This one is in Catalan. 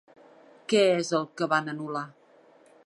Què és el que van anul·lar?